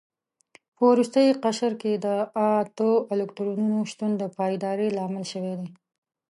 په وروستي قشر کې د اتو الکترونونو شتون د پایداري لامل شوی دی.